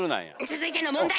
続いての問題！